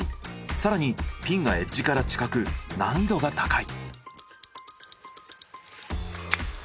更にピンがエッジから近く難易度が高い。